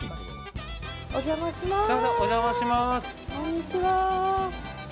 お邪魔します。